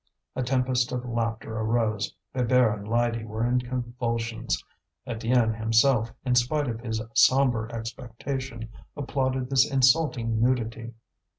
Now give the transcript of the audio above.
A tempest of laughter arose; Bébert and Lydie were in convulsions; Étienne himself, in spite of his sombre expectation, applauded this insulting nudity.